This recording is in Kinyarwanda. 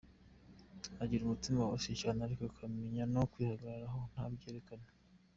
Agira umutima woroshye cyane ariko akamenya no kwihagararaho ntabyerekane.